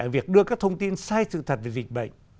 việc đưa các thông tin sai sự thật về dịch bệnh